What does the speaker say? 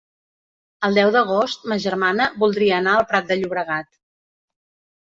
El deu d'agost ma germana voldria anar al Prat de Llobregat.